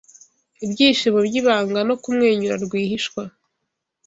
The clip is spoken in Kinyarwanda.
Ibyishimo byibanga no kumwenyura rwihishwa